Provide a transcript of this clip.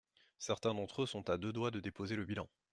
Certains d’entre eux sont à deux doigts de déposer le bilan.